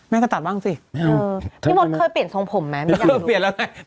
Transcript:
แม่ก็ตัดบ้างสิไม่เอาเออพี่มดเคยเปลี่ยนทรงผมไหมเปลี่ยนแล้วไง